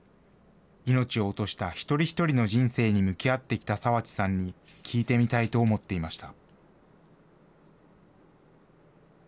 命を落とした一人一人の人生に向き合ってきた澤地さんに聞いてみたいと思っていました。